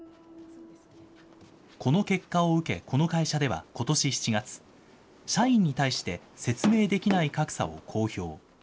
この結果を受け、この会社ではことし７月、社員に対して説明できない格差を公表。